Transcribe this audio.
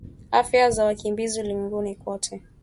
Afya za wakimbizi ulimwenguni kote